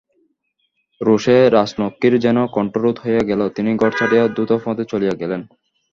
রোষে রাজলক্ষ্মীর যেন কণ্ঠরোধ হইয়া গেল–তিনি ঘর ছাড়িয়া দ্রুতপদে চলিয়া গেলেন।